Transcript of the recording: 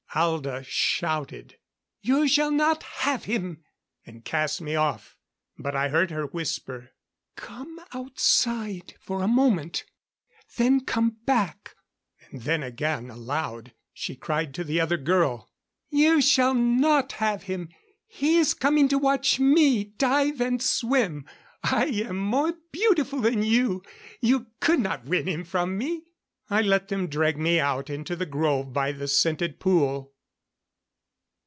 Alda shouted: "You shall not have him!" and cast me off. But I heard her whisper, "Come outside for a moment then come back!" and then, aloud, she cried to the other girl, "You shall not have him! He is coming to watch me dive and swim! I am more beautiful than you you could not win him from me!" I let them drag me out into the grove by the scented pool.